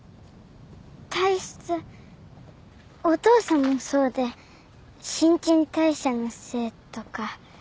お父さんもそうで新陳代謝のせいとか